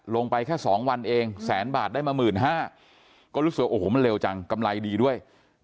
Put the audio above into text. ลงไปแค่๒วันเองแสนบาทได้มา๑๕๐๐ก็รู้สึกว่าโอ้โหมันเร็วจังกำไรดีด้วย